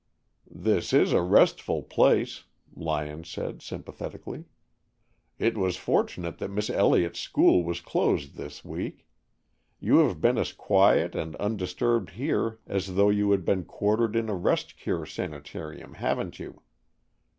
"This is a restful place," Lyon said sympathetically. "It was fortunate that Miss Elliott's school was closed this week. You have been as quiet and undisturbed here as though you had been quartered in a rest cure sanitarium, haven't you?"